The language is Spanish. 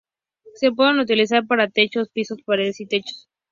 Se pueden utilizar para techos, pisos, paredes y techos.